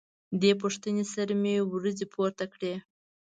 دې پوښتنې سره مې وروځې پورته کړې.